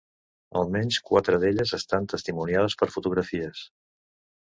Almenys quatre d'elles estan testimoniades per fotografies.